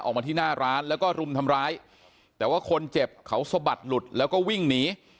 ออกมาที่หน้าร้านแล้วก็รุมทำร้ายแต่ว่าคนเจ็บเขาสะบัดหลุดแล้วก็วิ่งหนี